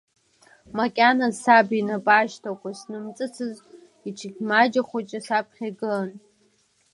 Макьана саб инап ашьҭақәа знымҵыцыз ичықьмаџьа хәыҷы саԥхьа игылан.